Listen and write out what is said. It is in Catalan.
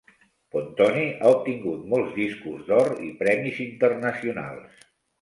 Pontoni ha obtingut molts discos d'or i premis internacionals.